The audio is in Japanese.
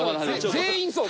全員そう。